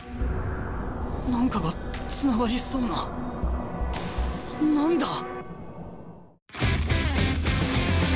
何かがつながりそうな何だ！？